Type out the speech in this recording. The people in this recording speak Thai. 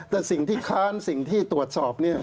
แต่สิ่งที่ค้านสิ่งที่ตรวจสอบเนี่ย